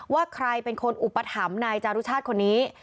ว่าใครเป็นคนอุปถัมภ์นายจารุชาติคนนี้